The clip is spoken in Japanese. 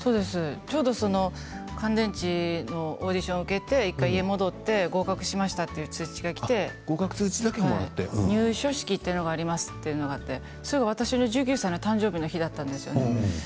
ちょうど乾電池のオーディションを受けて１回部屋に戻って合格しましたという通知がきて入所式というのがありますと言われてそれが私の１９歳の誕生日の日だったんです。